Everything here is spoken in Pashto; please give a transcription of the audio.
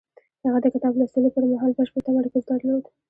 هغه د کتاب لوستلو پر مهال بشپړ تمرکز درلود.